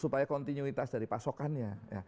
supaya kontinuitas dari pasokannya